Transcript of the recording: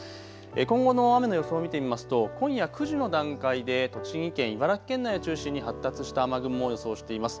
今後の雨の予想を見てみますと今夜９時の段階で栃木県、茨城県内を中心に発達した雨雲を予想しています。